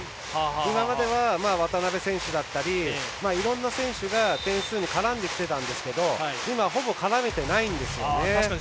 今までは渡邉選手だったりいろんな選手が点数に絡んできてたんですけど今はほぼ絡めてないんですよね。